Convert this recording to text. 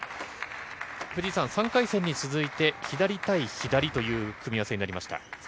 藤井さん、３回戦に続いて、左対左という組み合わせになりました。